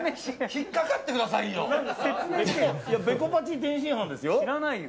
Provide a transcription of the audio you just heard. ベコバチ天津飯ですよ？